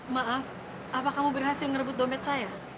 maaf apa kamu berhasil merebut dompet saya